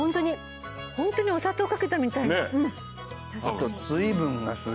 あと水分がすごい。